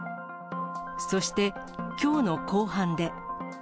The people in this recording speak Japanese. そして、きょうの公判で。